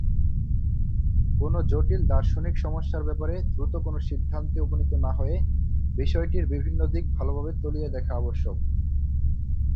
কোন জটিল দার্শনিক সমস্যার ব্যাপারে দ্রুত কোন সিদ্ধান্তে উপনীত না হয়ে বিষয়টির বিভিন্ন দিক ভালভাবে তলিয়ে দেখা আবশ্যক।